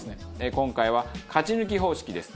今回は勝ち抜き方式です。